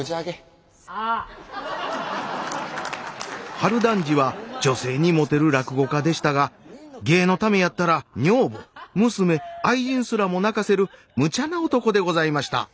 春団治は女性にモテる落語家でしたが芸のためやったら女房娘愛人すらも泣かせるむちゃな男でございました。